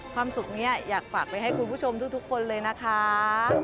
ความสุขนี้อยากฝากไปให้คุณผู้ชมทุกคนเลยนะคะ